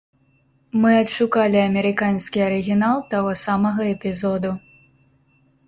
Мы адшукалі амерыканскі арыгінал таго самага эпізоду.